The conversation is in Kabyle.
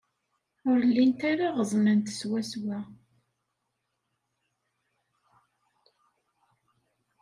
Ur llint ara ɣeẓnent swaswa.